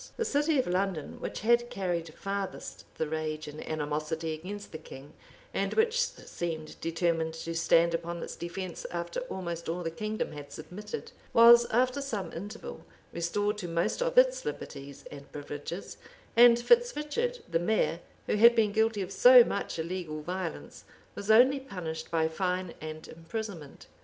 The city of London, which had carried farthest the rage and animosity against the king, and which seemed determined to stand upon its defence after almost all the kingdom had submitted, was, after some interval, restored to most of its liberties and privileges; and Fitz Richard, the mayor, who had been guilty of so much illegal violence, was only punished by fine and imprisonment.